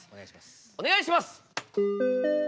お願いします。